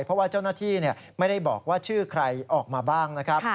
เพราะว่าเจ้าหน้าที่ไม่ได้บอกว่าชื่อใครออกมาบ้างนะครับ